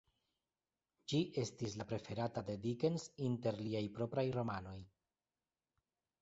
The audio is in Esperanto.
Ĝi estis la preferata de Dickens inter liaj propraj romanoj.